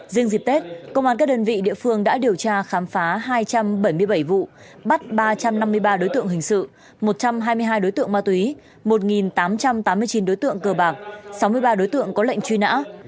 riêng dịp tết công an các đơn vị địa phương đã điều tra khám phá hai trăm bảy mươi bảy vụ bắt ba trăm năm mươi ba đối tượng hình sự một trăm hai mươi hai đối tượng ma túy một tám trăm tám mươi chín đối tượng cờ bạc sáu mươi ba đối tượng có lệnh truy nã